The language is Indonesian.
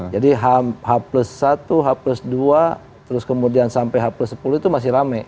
jadi h plus satu h plus dua terus kemudian sampai h plus sepuluh itu masih ramai